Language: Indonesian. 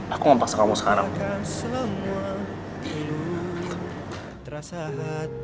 aku mempaksa kamu sekarang